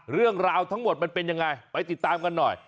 เรื่องราวทั้งหมดมันเป็นยังไงไปติดตามกันหน่อย